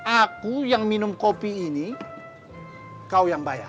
aku yang minum kopi ini kau yang bayar